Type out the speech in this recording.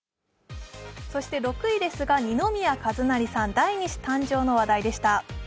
６位ですが二宮和也さん、第２子誕生の話題でした。